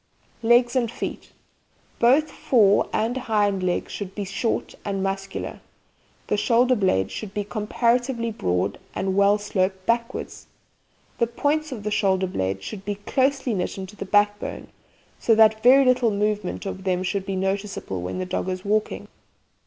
LEGS AND FEET Both fore and hind legs should be short and muscular. The shoulder blades should be comparatively broad, and well sloped backwards. The points of the shoulder blades should be closely knit into the backbone, so that very little movement of them should be noticeable when the dog is walking.